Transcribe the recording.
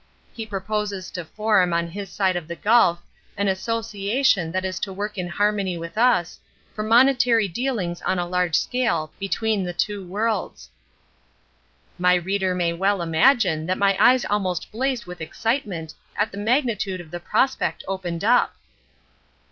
He proposes to form, on his side of the gulf, an association that is to work in harmony with us, for monetary dealings on a large scale, between the two worlds." My reader may well imagine that my eyes almost blazed with excitement at the magnitude of the prospect opened up.